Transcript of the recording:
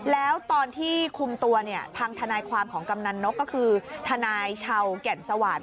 แล้วตอนที่คุมตัวเนี่ยทางทนายความของกำนันนกก็คือทนายชาวแก่นสวาสตร์